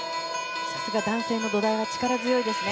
男性の土台は力強いですね。